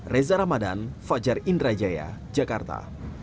reza ramadan fajar indrajaya jakarta